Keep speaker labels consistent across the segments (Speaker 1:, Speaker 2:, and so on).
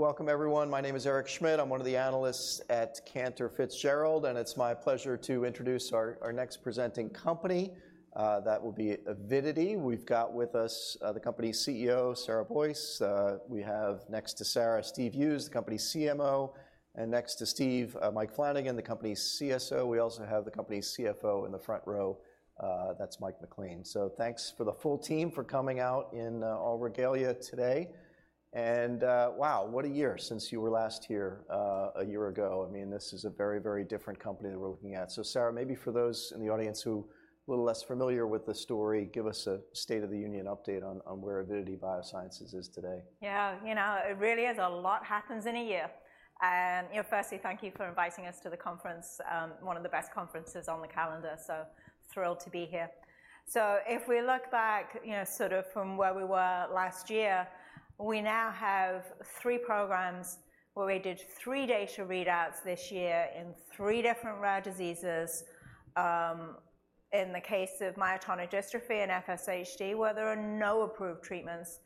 Speaker 1: Welcome, everyone. My name is Eric Schmidt. I'm one of the analysts at Cantor Fitzgerald, and it's my pleasure to introduce our next presenting company that will be Avidity. We've got with us the company's CEO, Sarah Boyce. We have next to Sarah, Steve Hughes, the company's CMO, and next to Steve, Mike Flanagan, the company's CSO. We also have the company's CFO in the front row, that's Mike MacLean. So thanks for the full team for coming out in all regalia today, and wow, what a year since you were last here a year ago! I mean, this is a very, very different company that we're looking at. So, Sarah, maybe for those in the audience who a little less familiar with the story, give us a state of the union update on where Avidity Biosciences is today.
Speaker 2: Yeah, you know, it really is. A lot happens in a year, and you know, firstly, thank you for inviting us to the conference, one of the best conferences on the calendar, so thrilled to be here. So if we look back, you know, sort of from where we were last year, we now have three programs where we did three data readouts this year in three different rare diseases. In the case of myotonic dystrophy and FSHD, where there are no approved treatments,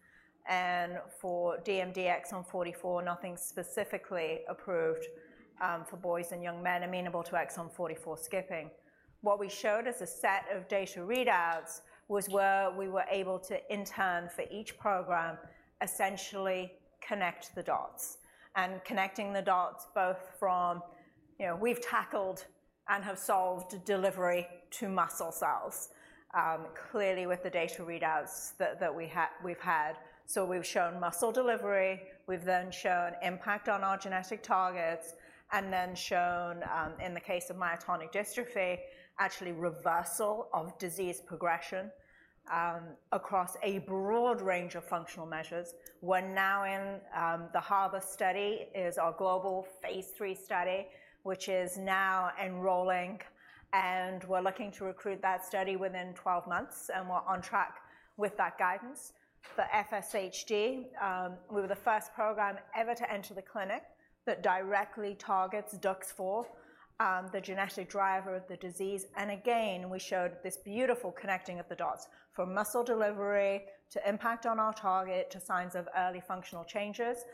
Speaker 2: and for DMD exon 44, nothing specifically approved, for boys and young men amenable to exon 44 skipping. What we showed as a set of data readouts was where we were able to, in turn, for each program, essentially connect the dots. And connecting the dots both from, you know, we've tackled and have solved delivery to muscle cells, clearly with the data readouts that we have had. So we've shown muscle delivery, we've then shown impact on our genetic targets, and then shown, in the case of myotonic dystrophy, actually reversal of disease progression across a broad range of functional measures. We're now in the HARBOR study, is our global phase 3 study, which is now enrolling, and we're looking to recruit that study within 12 months, and we're on track with that guidance. For FSHD, we were the first program ever to enter the clinic that directly targets DUX4, the genetic driver of the disease. And again, we showed this beautiful connecting of the dots, from muscle delivery to impact on our target, to signs of early functional changes.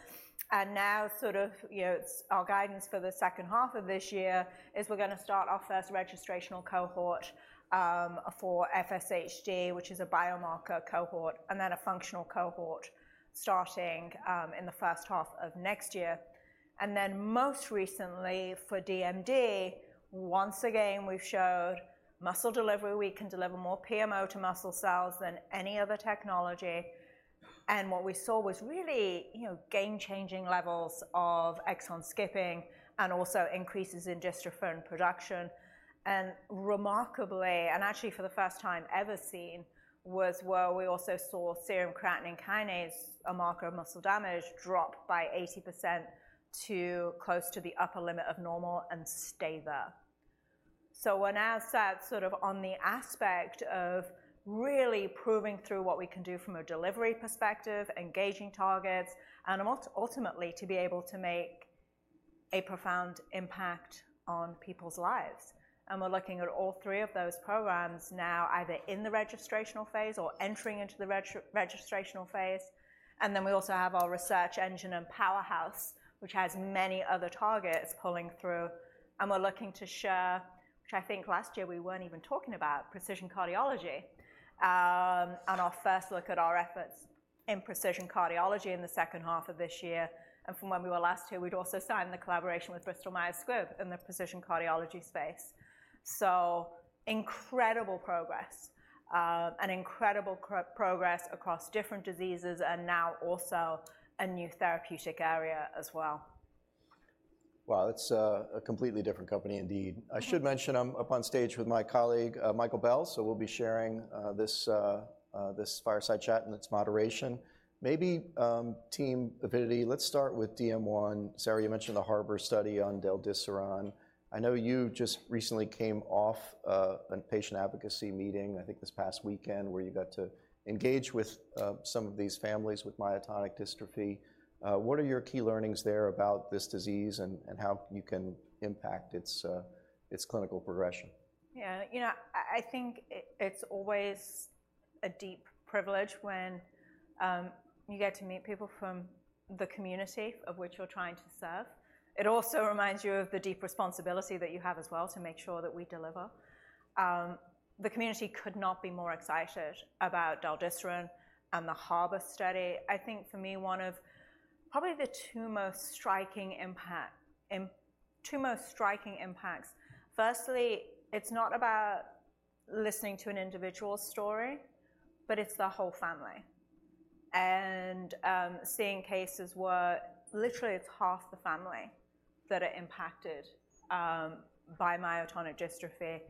Speaker 2: And now, sort of, you know, it's our guidance for the second half of this year is we're gonna start our first registrational cohort for FSHD, which is a biomarker cohort, and then a functional cohort starting in the first half of next year. And then most recently, for DMD, once again, we've showed muscle delivery. We can deliver more PMO to muscle cells than any other technology. And what we saw was really, you know, game-changing levels of exon skipping and also increases in dystrophin production. And remarkably, and actually for the first time ever seen, was where we also saw serum creatine kinase, a marker of muscle damage, drop by 80% to close to the upper limit of normal and stay there. So we're now set sort of on the aspect of really proving through what we can do from a delivery perspective, engaging targets, and ultimately, to be able to make a profound impact on people's lives. And we're looking at all three of those programs now, either in the registrational phase or entering into the registrational phase. And then we also have our research engine and powerhouse, which has many other targets pulling through. And we're looking to share, which I think last year we weren't even talking about, precision cardiology, and our first look at our efforts in precision cardiology in the second half of this year. And from when we were last here, we'd also signed the collaboration with Bristol Myers Squibb in the precision cardiology space. So incredible progress, and incredible progress across different diseases and now also a new therapeutic area as well.
Speaker 1: Wow, that's a completely different company indeed.
Speaker 2: Mm-hmm.
Speaker 1: I should mention I'm up on stage with my colleague, Michael Bell, so we'll be sharing this fireside chat and its moderation. Maybe, team Avidity, let's start with DM1. Sarah, you mentioned the HARBOR study on delpacibart etedesiran. I know you just recently came off a patient advocacy meeting, I think this past weekend, where you got to engage with some of these families with myotonic dystrophy. What are your key learnings there about this disease and how you can impact its clinical progression?
Speaker 2: Yeah. You know, I think it's always a deep privilege when you get to meet people from the community of which you're trying to serve. It also reminds you of the deep responsibility that you have as well to make sure that we deliver. The community could not be more excited about delpacibart etedesiran and the HARBOR study. I think for me, one of probably the two most striking impact, two most striking impacts, firstly, it's not about listening to an individual's story, but it's the whole family. And seeing cases where literally it's half the family that are impacted by myotonic dystrophy,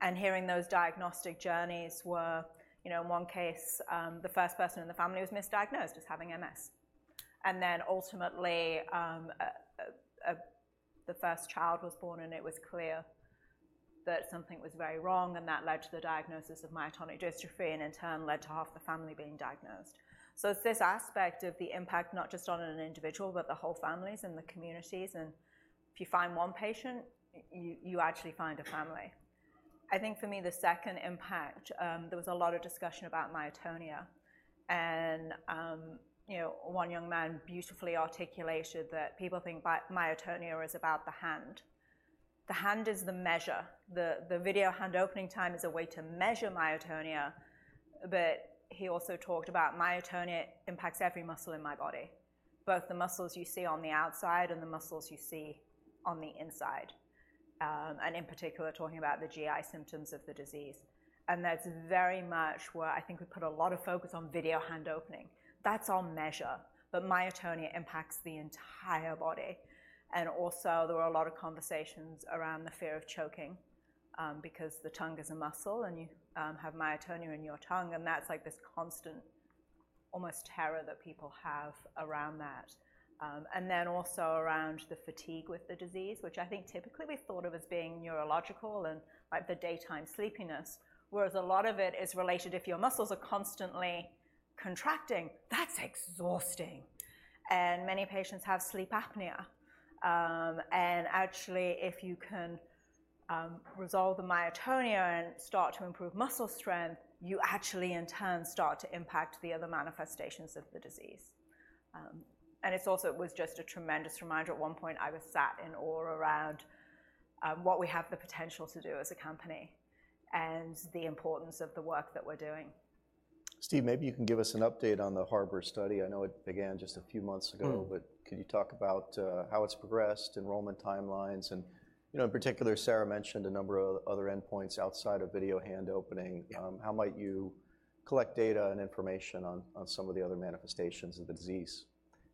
Speaker 2: and hearing those diagnostic journeys where, you know, in one case the first person in the family was misdiagnosed as having MS. Then ultimately, the first child was born, and it was clear that something was very wrong, and that led to the diagnosis of myotonic dystrophy, and in turn, led to half the family being diagnosed. It's this aspect of the impact, not just on an individual, but the whole families and the communities, and if you find one patient, you actually find a family. I think for me, the second impact, there was a lot of discussion about myotonia. You know, one young man beautifully articulated that people think by myotonia is about the hand. The hand is the measure. The video hand opening time is a way to measure myotonia, but he also talked about myotonia impacts every muscle in my body, both the muscles you see on the outside and the muscles you see on the inside. And in particular, talking about the GI symptoms of the disease. And that's very much where I think we put a lot of focus on video hand opening. That's our measure, but myotonia impacts the entire body. And also, there were a lot of conversations around the fear of choking, because the tongue is a muscle, and you have myotonia in your tongue, and that's like this constant almost terror that people have around that. And then also around the fatigue with the disease, which I think typically we thought of as being neurological and like the daytime sleepiness, whereas a lot of it is related if your muscles are constantly contracting, that's exhausting! And many patients have sleep apnea. Actually, if you can resolve the myotonia and start to improve muscle strength, you actually in turn start to impact the other manifestations of the disease. It's also was just a tremendous reminder. At one point, I was sat in awe around what we have the potential to do as a company and the importance of the work that we're doing.
Speaker 1: Steve, maybe you can give us an update on the HARBOR study. I know it began just a few months ago.
Speaker 3: Hmm.
Speaker 1: But can you talk about how it's progressed, enrollment timelines? And, you know, in particular, Sarah mentioned a number of other endpoints outside of video hand opening.
Speaker 3: Yeah.
Speaker 1: How might you collect data and information on some of the other manifestations of the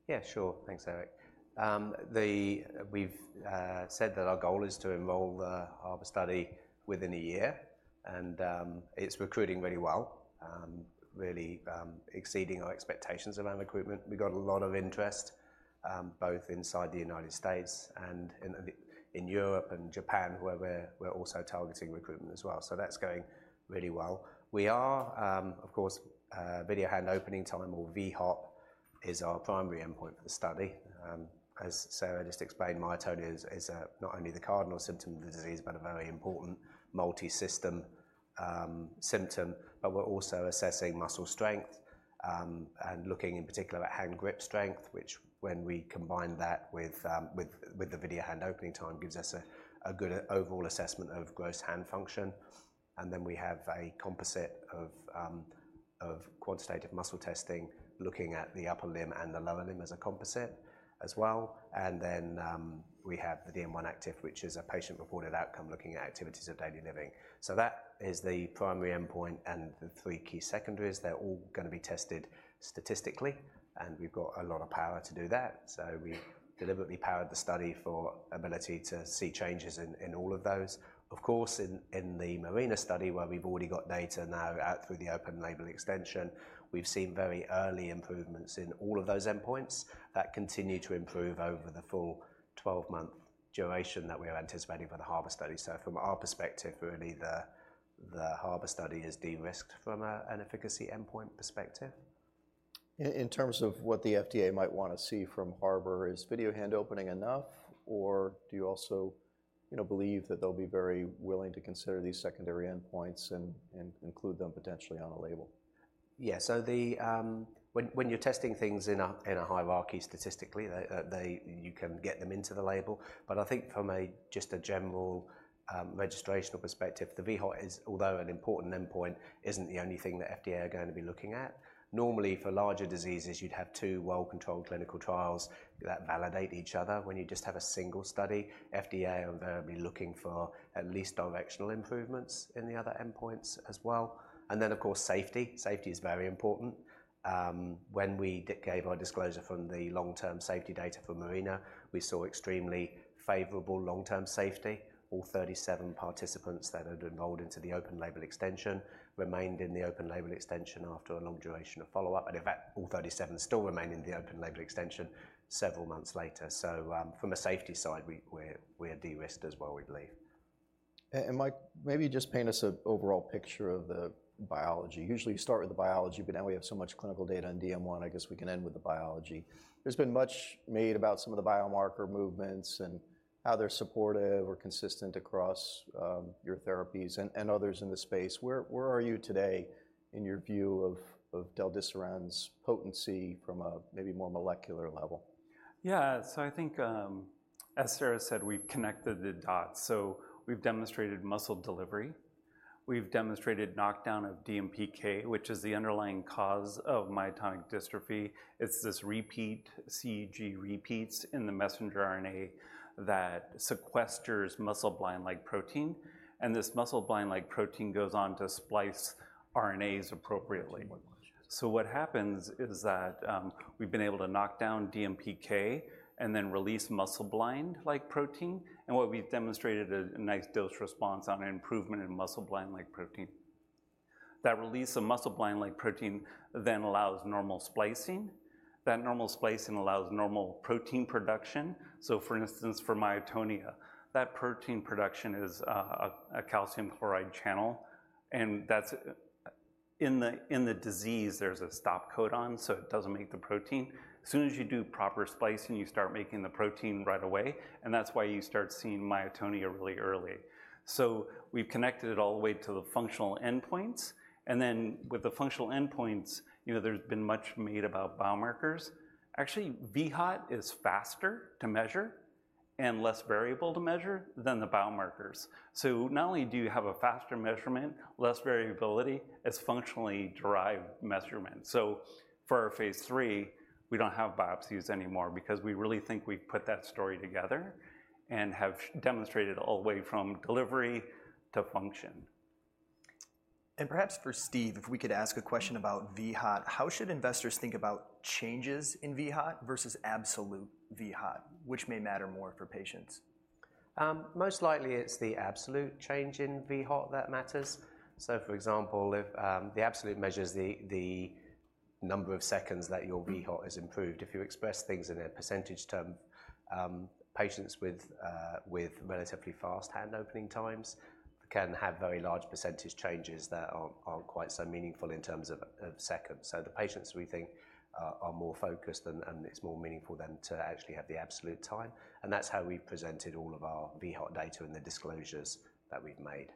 Speaker 1: disease?
Speaker 3: Yeah, sure. Thanks, Eric. We've said that our goal is to enroll the HARBOR study within a year, and it's recruiting really well, really exceeding our expectations around recruitment. We got a lot of interest, both inside the United States and in Europe and Japan, where we're also targeting recruitment as well. So that's going really well. We are, of course, video hand opening time, or vHOT, is our primary endpoint for the study. As Sarah just explained, myotonia is not only the cardinal symptom of the disease, but a very important multisystem symptom. But we're also assessing muscle strength, and looking in particular at hand grip strength, which when we combine that with the video hand opening time, gives us a good overall assessment of gross hand function. And then we have a composite of quantitative muscle testing, looking at the upper limb and the lower limb as a composite as well. And then we have the DM1-Activ, which is a patient-reported outcome, looking at activities of daily living. So that is the primary endpoint and the three key secondaries. They're all gonna be tested statistically, and we've got a lot of power to do that. So we deliberately powered the study for ability to see changes in all of those. Of course, in the MARINA study, where we've already got data now out through the open label extension, we've seen very early improvements in all of those endpoints that continue to improve over the full twelve-month duration that we are anticipating for the HARBOR study. From our perspective, really, the HARBOR study is de-risked from an efficacy endpoint perspective.
Speaker 1: In terms of what the FDA might wanna see from HARBOR, is video hand opening enough, or do you also, you know, believe that they'll be very willing to consider these secondary endpoints and include them potentially on a label?
Speaker 3: Yeah, so the... When you're testing things in a hierarchy, statistically, they, you can get them into the label. But I think from just a general registrational perspective, the vHOT is, although an important endpoint, isn't the only thing that FDA are gonna be looking at. Normally, for larger diseases, you'd have two well-controlled clinical trials that validate each other. When you just have a single study, FDA are invariably looking for at least directional improvements in the other endpoints as well. And then, of course, safety. Safety is very important. When we gave our disclosure from the long-term safety data for MARINA, we saw extremely favorable long-term safety. All thirty-seven participants that had enrolled into the open label extension remained in the open label extension after a long duration of follow-up, and in fact, all thirty-seven still remain in the open label extension several months later. So, from a safety side, we're de-risked as well, we believe.
Speaker 1: And Mike, maybe just paint us an overall picture of the biology. Usually, you start with the biology, but now we have so much clinical data on DM1. I guess we can end with the biology. There's been much made about some of the biomarker movements and how they're supportive or consistent across your therapies and others in the space. Where are you today in your view of del-desiran's potency from a maybe more molecular level?
Speaker 4: Yeah. So I think, as Sarah said, we've connected the dots. So we've demonstrated muscle delivery. We've demonstrated knockdown of DMPK, which is the underlying cause of myotonic dystrophy. It's this repeat, CTG repeats in the messenger RNA that sequesters muscleblind-like protein, and this muscleblind-like protein goes on to splice RNAs appropriately. So what happens is that, we've been able to knock down DMPK and then release muscleblind-like protein, and what we've demonstrated a nice dose response on an improvement in muscleblind-like protein. That release of muscleblind-like protein then allows normal splicing. That normal splicing allows normal protein production. So for instance, for myotonia, that protein production is a calcium chloride channel, and that's in the disease, there's a stop codon, so it doesn't make the protein. As soon as you do proper splicing, you start making the protein right away, and that's why you start seeing myotonia really early. So we've connected it all the way to the functional endpoints, and then with the functional endpoints, you know, there's been much made about biomarkers. Actually, VHOT is faster to measure and less variable to measure than the biomarkers. So not only do you have a faster measurement, less variability, it's functionally derived measurement. So for our phase three, we don't have biopsies anymore because we really think we've put that story together and have demonstrated all the way from delivery to function.
Speaker 5: Perhaps for Steve, if we could ask a question about VHOT. How should investors think about changes in VHOT versus absolute VHOT, which may matter more for patients?
Speaker 3: Most likely it's the absolute change in VHOT that matters. So, for example, if the absolute measures the number of seconds that your VHOT has improved, if you express things in a percentage term, patients with relatively fast hand opening times can have very large percentage changes that are not so meaningful in terms of seconds. So the patients, we think, are more focused and it's more meaningful than to actually have the absolute time, and that's how we've presented all of our VHOT data and the disclosures that we've made.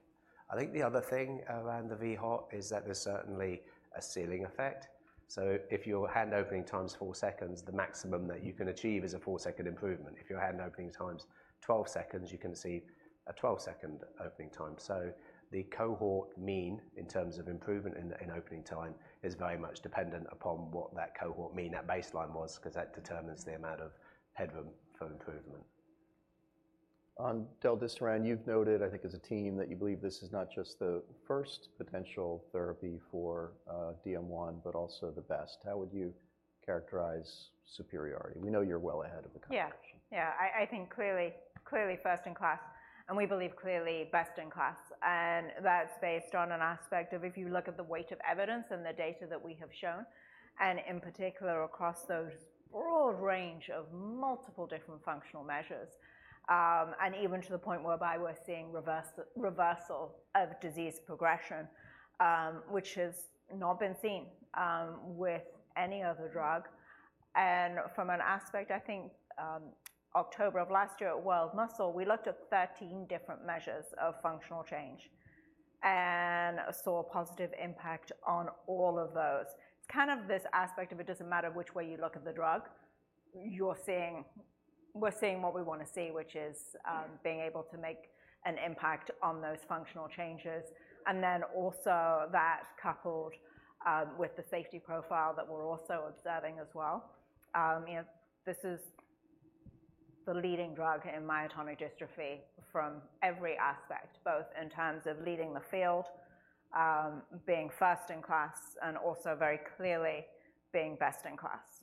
Speaker 3: I think the other thing around the VHOT is that there's certainly a ceiling effect. So if your hand opening time's four seconds, the maximum that you can achieve is a four-second improvement. If your hand opening time's 12 seconds, you can see a 12-second opening time. So the cohort mean in terms of improvement in opening time is very much dependent upon what that cohort mean, that baseline was, 'cause that determines the amount of headroom for improvement.
Speaker 1: On del-desiran, you've noted, I think as a team, that you believe this is not just the first potential therapy for DM1, but also the best. How would you characterize superiority? We know you're well ahead of the competition.
Speaker 2: Yeah. Yeah, I think clearly, clearly first in class, and we believe clearly best in class, and that's based on an aspect of if you look at the weight of evidence and the data that we have shown, and in particular, across those broad range of multiple different functional measures, and even to the point whereby we're seeing reversal of disease progression, which has not been seen with any other drug. And from an aspect, I think, October of last year at World Muscle, we looked at 13 different measures of functional change and saw a positive impact on all of those. It's kind of this aspect of it doesn't matter which way you look at the drug, you're seeing... We're seeing what we wanna see, which is, being able to make an impact on those functional changes, and then also that coupled, with the safety profile that we're also observing as well. You know, this is the leading drug in myotonic dystrophy from every aspect, both in terms of leading the field, being first in class, and also very clearly being best in class.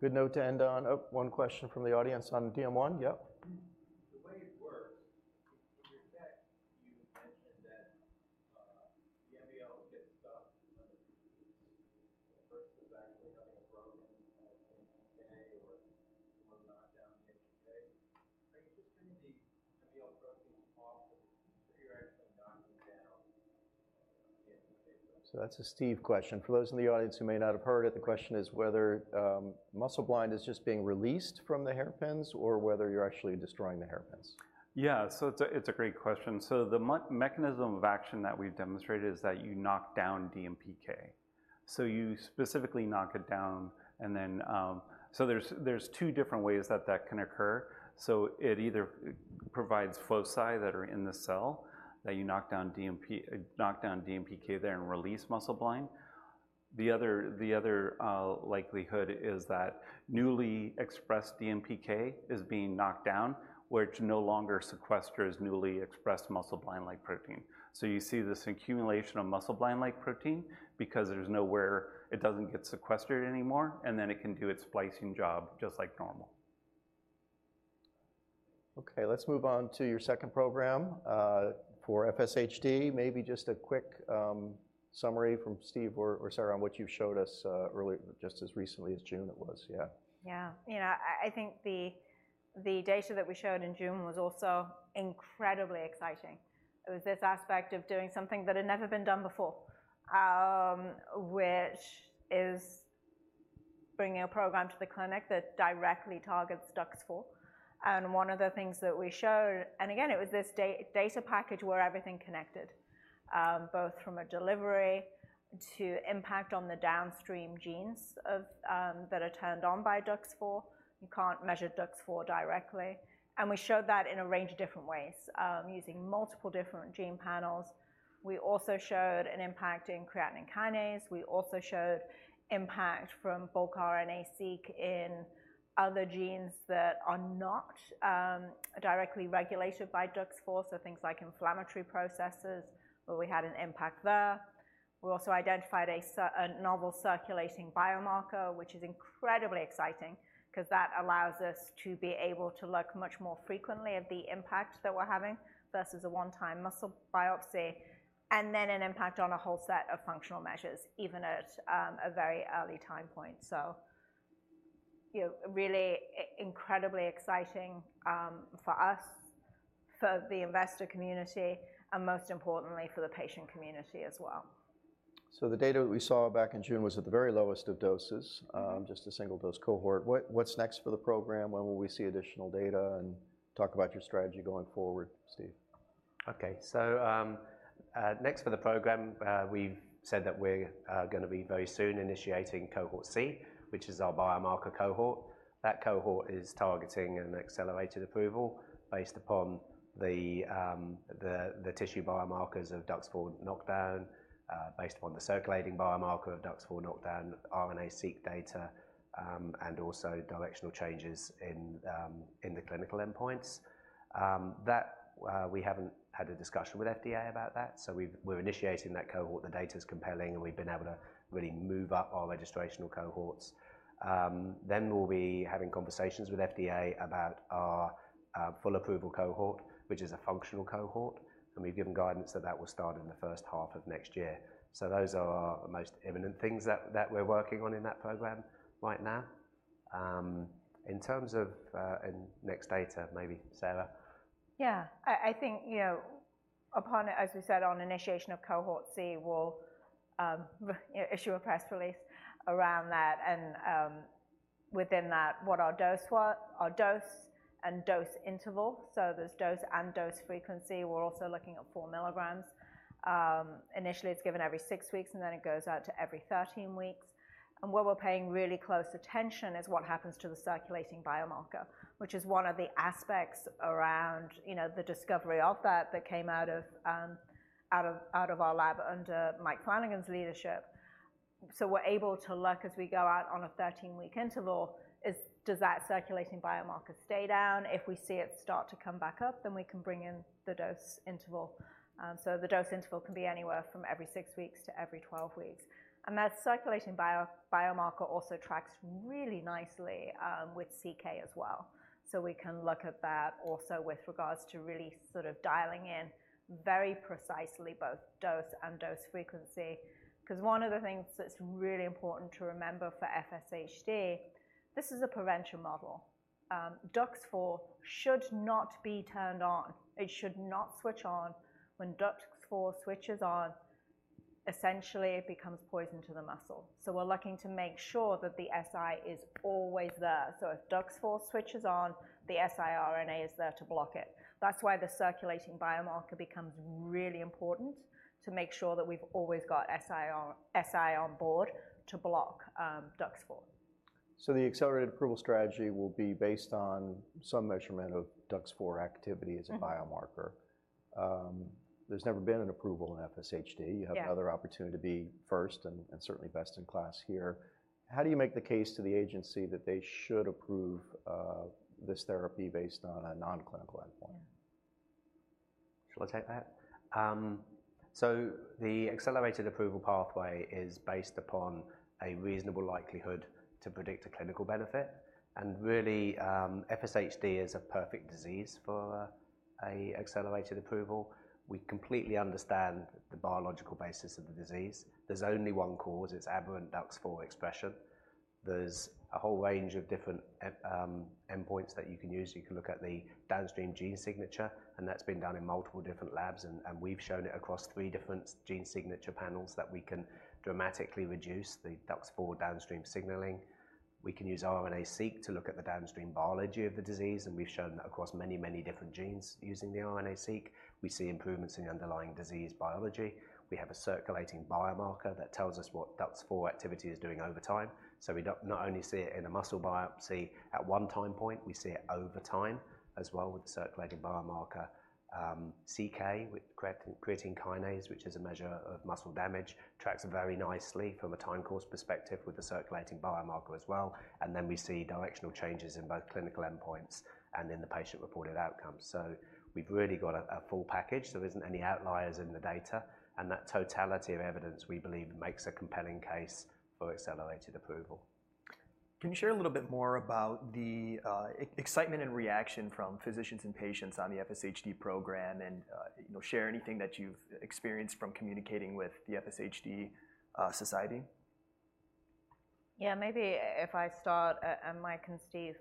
Speaker 1: Good note to end on. Oh, one question from the audience on DM1. Yep. The way it works, in your deck, you mentioned that, the MBNL gets stuck, whether it's first actually having a broken DMPK or more knocked down DMPK. Are you just bringing the MBNL protein off, or you're actually knocking down DMPK? That's a Steve question. For those in the audience who may not have heard it, the question is whether muscleblind is just being released from the hairpins or whether you're actually destroying the hairpins.
Speaker 4: Yeah. So it's a great question. So the mechanism of action that we've demonstrated is that you knock down DMPK. So you specifically knock it down, and then. So there's two different ways that that can occur. So it either provides foci that are in the cell, that you knock down DMPK there and release muscleblind. The other likelihood is that newly expressed DMPK is being knocked down, which no longer sequesters newly expressed muscleblind-like protein. So you see this accumulation of muscleblind-like protein because there's nowhere it doesn't get sequestered anymore, and then it can do its splicing job just like normal.
Speaker 1: Okay, let's move on to your second program, for FSHD. Maybe just a quick summary from Steve or Sarah, on what you showed us earlier, just as recently as June it was. Yeah.
Speaker 2: Yeah. You know, I think the data that we showed in June was also incredibly exciting. It was this aspect of doing something that had never been done before, which is bringing a program to the clinic that directly targets DUX4. And one of the things that we showed, and again, it was this data package where everything connected, both from a delivery to impact on the downstream genes of that are turned on by DUX4. You can't measure DUX4 directly. And we showed that in a range of different ways, using multiple different gene panels. We also showed an impact in creatine kinase. We also showed impact from bulk RNA-Seq in other genes that are not directly regulated by DUX4, so things like inflammatory processes, where we had an impact there. We also identified a novel circulating biomarker, which is incredibly exciting 'cause that allows us to be able to look much more frequently at the impact that we're having versus a one-time muscle biopsy, and then an impact on a whole set of functional measures, even at a very early time point. So you know, really incredibly exciting for us, for the investor community, and most importantly, for the patient community as well.
Speaker 1: So the data that we saw back in June was at the very lowest of doses, just a single dose cohort. What, what's next for the program? When will we see additional data? And talk about your strategy going forward, Steve.
Speaker 3: Okay, so next for the program, we've said that we're gonna be very soon initiating Cohort C, which is our biomarker cohort. That cohort is targeting an accelerated approval based upon the tissue biomarkers of DUX4 knockdown, based upon the circulating biomarker of DUX4 knockdown, RNA-Seq data, and also directional changes in the clinical endpoints. We haven't had a discussion with FDA about that, so we're initiating that cohort. The data's compelling, and we've been able to really move up our registrational cohorts, then we'll be having conversations with FDA about our full approval cohort, which is a functional cohort, and we've given guidance that that will start in the first half of next year, so those are our most imminent things that we're working on in that program right now. In terms of in next data, maybe Sarah?
Speaker 2: Yeah. I think, you know, upon as we said on initiation of Cohort C, we'll issue a press release around that and within that what our dose was, our dose and dose interval, so there's dose and dose frequency. We're also looking at four milligrams. Initially, it's given every six weeks, and then it goes out to every thirteen weeks, and what we're paying really close attention is what happens to the circulating biomarker, which is one of the aspects around, you know, the discovery of that that came out of our lab under Mike Flanagan's leadership. So we're able to look as we go out on a thirteen-week interval, is does that circulating biomarker stay down? If we see it start to come back up, then we can bring in the dose interval. So the dose interval can be anywhere from every six weeks to every 12 weeks. And that circulating biomarker also tracks really nicely with CK as well. So we can look at that also with regards to really sort of dialing in very precisely both dose and dose frequency, 'cause one of the things that's really important to remember for FSHD, this is a prevention model. DUX4 should not be turned on. It should not switch on. When DUX4 switches on, essentially it becomes poison to the muscle. So we're looking to make sure that the siRNA is always there. So if DUX4 switches on, the siRNA is there to block it. That's why the circulating biomarker becomes really important, to make sure that we've always got siRNA on board to block DUX4.
Speaker 1: The accelerated approval strategy will be based on some measurement of DUX4 activity as a biomarker.
Speaker 2: Mm-hmm.
Speaker 1: There's never been an approval in FSHD.
Speaker 2: Yeah.
Speaker 1: You have another opportunity to be first and certainly best in class here. How do you make the case to the agency that they should approve this therapy based on a non-clinical endpoint?
Speaker 2: Yeah.
Speaker 3: Shall I take that? So the accelerated approval pathway is based upon a reasonable likelihood to predict a clinical benefit, and really, FSHD is a perfect disease for an accelerated approval. We completely understand the biological basis of the disease. There's only one cause. It's aberrant DUX4 expression. There's a whole range of different endpoints that you can use. You can look at the downstream gene signature, and that's been done in multiple different labs, and we've shown it across three different gene signature panels, that we can dramatically reduce the DUX4 downstream signaling. We can use RNA-Seq to look at the downstream biology of the disease, and we've shown that across many, many different genes using the RNA-Seq. We see improvements in the underlying disease biology. We have a circulating biomarker that tells us what DUX4 activity is doing over time. So we not only see it in a muscle biopsy at one time point, we see it over time as well with the circulating biomarker. CK, creatine kinase, which is a measure of muscle damage, tracks very nicely from a time course perspective with the circulating biomarker as well, and then we see directional changes in both clinical endpoints and in the patient-reported outcomes. So we've really got a full package, there isn't any outliers in the data, and that totality of evidence, we believe, makes a compelling case for accelerated approval.
Speaker 5: Can you share a little bit more about the excitement and reaction from physicians and patients on the FSHD program and, you know, share anything that you've experienced from communicating with the FSHD Society?
Speaker 2: Yeah, maybe if I start, and Mike and Steve,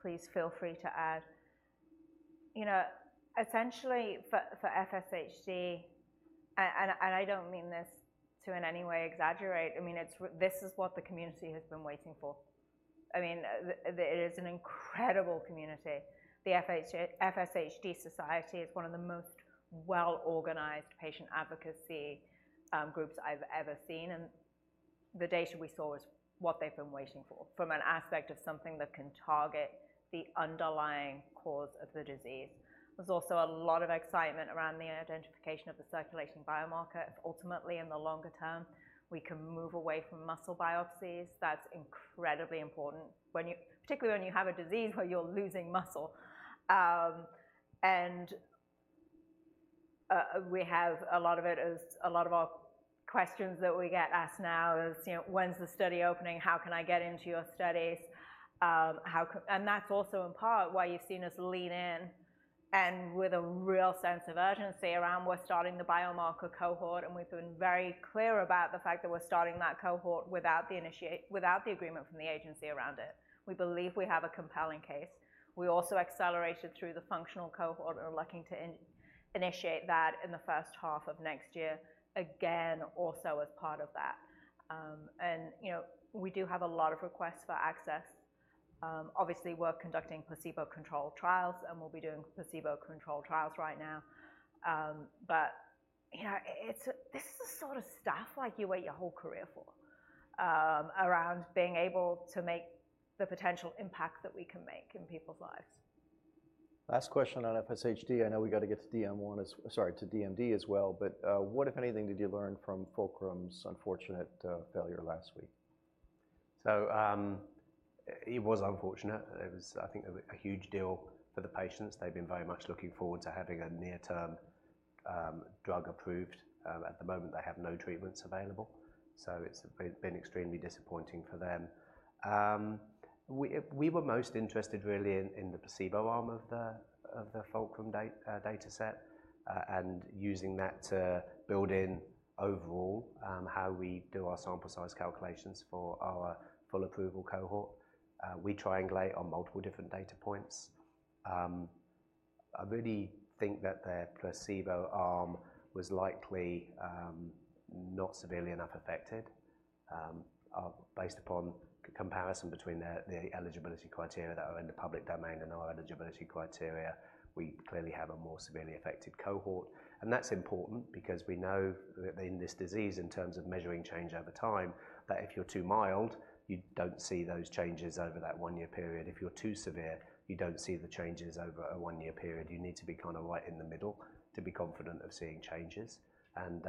Speaker 2: please feel free to add. You know, essentially for FSHD, and I don't mean this to in any way exaggerate. I mean, it's this is what the community has been waiting for. I mean, the it is an incredible community. The FSHD Society is one of the most well-organized patient advocacy groups I've ever seen, and the data we saw is what they've been waiting for, from an aspect of something that can target the underlying cause of the disease. There's also a lot of excitement around the identification of the circulating biomarker. If ultimately, in the longer term, we can move away from muscle biopsies, that's incredibly important, when you, particularly when you have a disease where you're losing muscle. And, we have a lot of it, as a lot of our questions that we get asked now is, you know, "When's the study opening? How can I get into your studies?"... and that's also in part why you've seen us lean in and with a real sense of urgency around we're starting the biomarker cohort, and we've been very clear about the fact that we're starting that cohort without the agreement from the agency around it. We believe we have a compelling case. We also accelerated through the functional cohort and are looking to initiate that in the first half of next year, again, also as part of that. And, you know, we do have a lot of requests for access. Obviously, we're conducting placebo-controlled trials, and we'll be doing placebo-controlled trials right now. You know, it's a... This is the sort of stuff like you wait your whole career for, around being able to make the potential impact that we can make in people's lives.
Speaker 1: Last question on FSHD. I know we've got to get to DM1 as, sorry, to DMD as well, but what, if anything, did you learn from Fulcrum's unfortunate failure last week?
Speaker 3: It was unfortunate. It was, I think, a huge deal for the patients. They've been very much looking forward to having a near-term drug approved. At the moment, they have no treatments available, so it's been extremely disappointing for them. We were most interested really in the placebo arm of the Fulcrum dataset, and using that to build in overall how we do our sample size calculations for our full approval cohort. We triangulate on multiple different data points. I really think that their placebo arm was likely not severely enough affected. Based upon comparison between their eligibility criteria that are in the public domain and our eligibility criteria, we clearly have a more severely affected cohort. That's important because we know that in this disease, in terms of measuring change over time, that if you're too mild, you don't see those changes over that one-year period. If you're too severe, you don't see the changes over a one-year period. You need to be kind of right in the middle to be confident of seeing changes. And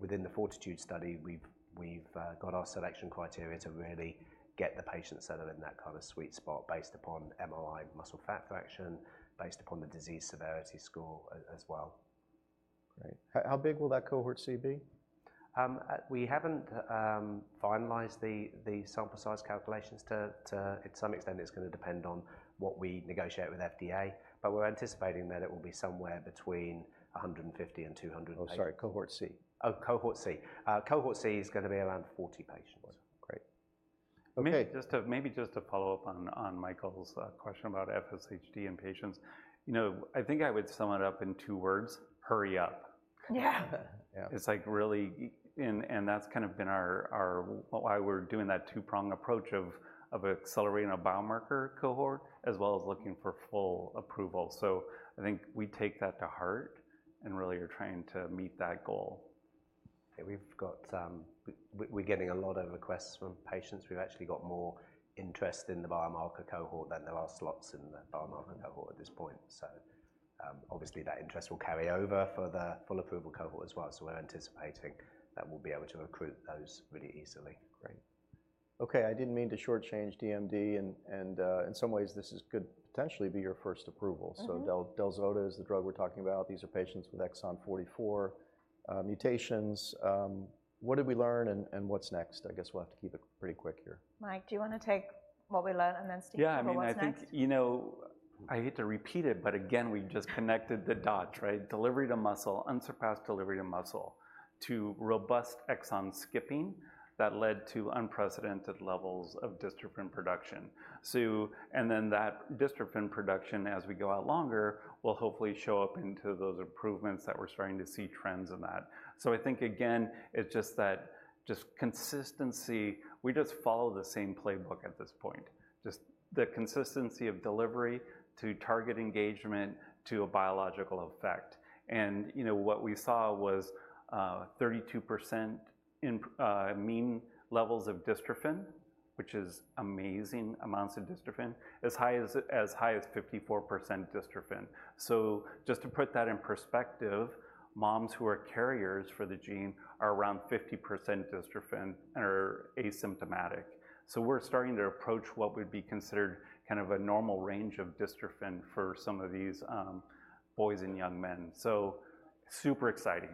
Speaker 3: within the FORTITUDE study, we've got our selection criteria to really get the patients that are in that kind of sweet spot based upon MRI muscle fat fraction, based upon the disease severity score as well.
Speaker 1: Great. How big will that Cohort C be?
Speaker 3: We haven't finalized the sample size calculations. To some extent, it's gonna depend on what we negotiate with FDA, but we're anticipating that it will be somewhere between 150 and 200-
Speaker 1: Oh, sorry, Cohort C.
Speaker 3: Oh, Cohort C. Cohort C is gonna be around forty patients.
Speaker 1: Great.
Speaker 4: Maybe just to follow up on Michael's question about FSHD in patients. You know, I think I would sum it up in two words: Hurry up.
Speaker 2: Yeah.
Speaker 3: Yeah.
Speaker 4: It's like, really, and that's kind of been our why we're doing that two-prong approach of accelerating a biomarker cohort, as well as looking for full approval. So I think we take that to heart and really are trying to meet that goal.
Speaker 3: Yeah, we've got. We're getting a lot of requests from patients. We've actually got more interest in the biomarker cohort than there are slots in the biomarker cohort at this point. So, obviously, that interest will carry over for the full approval cohort as well. So we're anticipating that we'll be able to recruit those really easily.
Speaker 1: Great. Okay, I didn't mean to shortchange DMD, and in some ways, this could potentially be your first approval.
Speaker 2: Mm-hmm.
Speaker 1: Del-zota is the drug we're talking about. These are patients with exon 44 mutations. What did we learn and what's next? I guess we'll have to keep it pretty quick here.
Speaker 2: Mike, do you wanna take what we learned, and then, Steve-
Speaker 4: Yeah, I mean-...
Speaker 2: for what's next?
Speaker 4: I think, you know, I hate to repeat it, but again, we've just connected the dots, right? Delivery to muscle, unsurpassed delivery to muscle, to robust exon skipping that led to unprecedented levels of dystrophin production. So, and then that dystrophin production, as we go out longer, will hopefully show up into those improvements that we're starting to see trends in that. So I think, again, it's just that consistency, we just follow the same playbook at this point. Just the consistency of delivery to target engagement, to a biological effect. And, you know, what we saw was 32% in mean levels of dystrophin, which is amazing amounts of dystrophin, as high as, as high as 54% dystrophin. So just to put that in perspective, moms who are carriers for the gene are around 50% dystrophin and are asymptomatic. So we're starting to approach what would be considered kind of a normal range of dystrophin for some of these, boys and young men. So super exciting.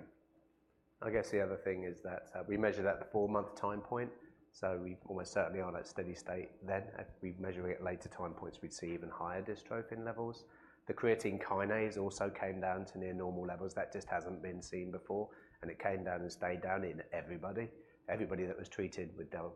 Speaker 3: I guess the other thing is that, we measured at the four-month time point, so we almost certainly are at steady state then. If we measure it at later time points, we'd see even higher dystrophin levels. The creatine kinase also came down to near normal levels, that just hasn't been seen before, and it came down and stayed down in everybody. Everybody that was treated with delpacibart,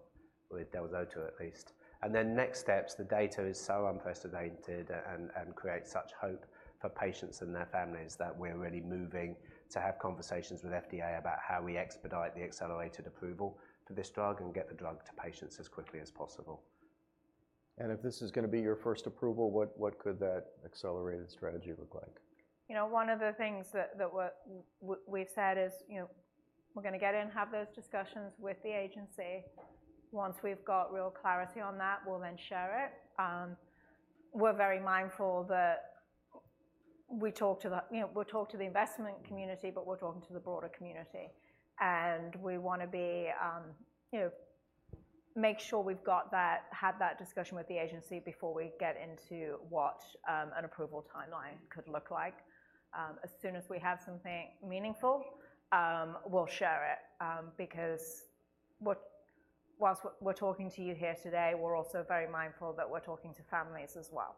Speaker 3: with delpacibart zotadirsen at least. Next steps, the data is so unprecedented and creates such hope for patients and their families that we're really moving to have conversations with FDA about how we expedite the accelerated approval for this drug and get the drug to patients as quickly as possible.
Speaker 1: If this is gonna be your first approval, what, what could that accelerated strategy look like?
Speaker 2: You know, one of the things that we're, we've said is, you know, we're gonna get in, have those discussions with the agency. Once we've got real clarity on that, we'll then share it. We're very mindful that we talk to the, you know, we'll talk to the investment community, but we're talking to the broader community, and we wanna be, you know, make sure we've got that, had that discussion with the agency before we get into what an approval timeline could look like. As soon as we have something meaningful, we'll share it, because whilst we're talking to you here today, we're also very mindful that we're talking to families as well.